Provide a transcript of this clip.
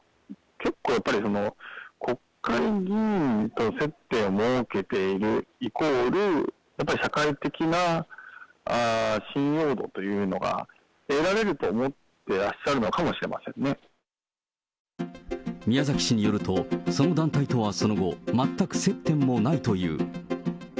結構やっぱり、国会議員と接点を設けている、イコール、やっぱり社会的な信用度というのが得られると思ってらっしゃるの宮崎氏によると、その団体とはその後、全く接点もないという。